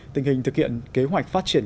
tình hình thực hiện kế hoạch phát triển